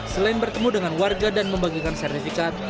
selain bertemu dengan warga dan membagikan sertifikat